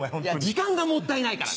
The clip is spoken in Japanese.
時間がもったいないから。